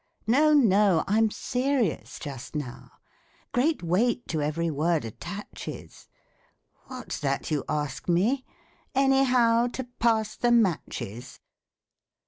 No No I'm serious just now, Great weight to every word attaches ; What's that you ask me ? Anyhow To pass the matches